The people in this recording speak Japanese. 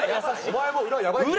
お前も裏やばいけどな。